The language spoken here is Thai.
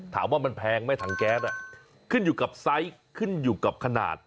ถามว่ามันแพงไหมถังแก๊สขึ้นอยู่กับไซส์ขึ้นอยู่กับขนาด